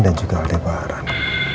dan juga aldebaran